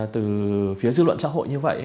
từ phía du lận xã hội như vậy